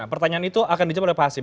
pertanyaan itu akan dijawab oleh pak hasim